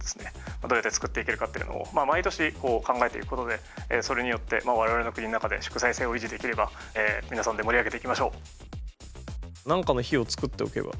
どうやって作っていけるかっていうのを毎年考えていくことでそれによって我々の国の中で祝祭性を維持できれば皆さんで盛り上げていきましょう。